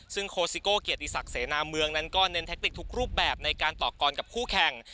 ซึ่งโคสิโก้เกียรติศักดิเสนาเมืองนั้นก็เน้นแท็กติกทุกรูปแบบในการต่อกรกับคู่แข่ง